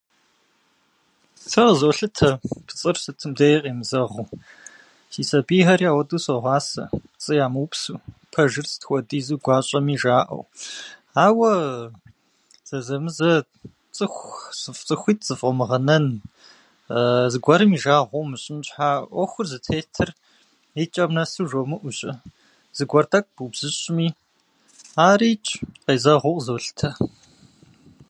Сэ къызолъытэ пцӏыр сытым деи къемызэгъыу. Си сабийхьэри ауэдэу согъасэ, пцӏы ямыупсу, пэжыр сыт хуэдизу гуащӏэми жаӏэу. Ауэ зэзэмызэ цӏыхух- цӏыхуитӏ зэфӏомыгъэнэн, зыгуэрым и жагъуэ умыщӏын щхьа ӏуэхур зытетыр икӏэм нэсу жумыӏэу щэ, зыгуэр тӏэкӏу убзыщӏми, аричӏ къезэгъыу къызолъытэ.